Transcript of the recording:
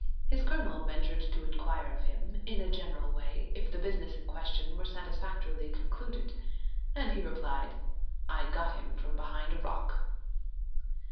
His Colonel ventured to inquire of him, in a general way, if the business in question were satisfactorily concluded. And he replied: "I got him from behind a rock."